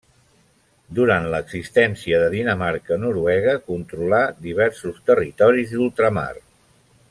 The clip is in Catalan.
Durant l'existència de Dinamarca-Noruega, controlà diversos territoris d'ultramar.